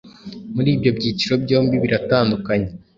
muri ibyo byiciro byombi biratandukanye.